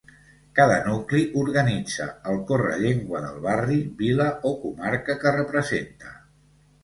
Cada nucli organitza el Correllengua del barri, vila o comarca que representa.